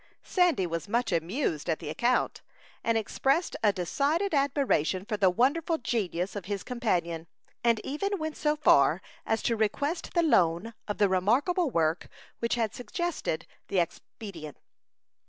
Sandy was much amused at the account, and expressed a decided admiration for the wonderful genius of his companion, and even went so far as to request the loan of the remarkable work which had suggested the expedient.